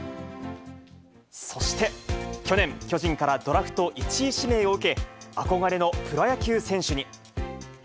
そして去年、巨人からドラフト１位指名を受け、憧れのプロ野球選手に。